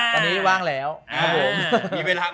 ตอนนี้ว่างแล้วครับผม